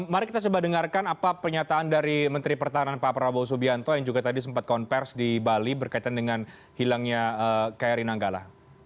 mari kita coba dengarkan apa pernyataan dari menteri pertahanan pak prabowo subianto yang juga tadi sempat konversi di bali berkaitan dengan hilangnya kri nanggala